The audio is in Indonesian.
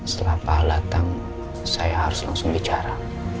setelah pak al datang saya harus langsung bicara